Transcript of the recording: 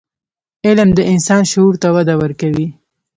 علم د انسان شعور ته وده ورکوي.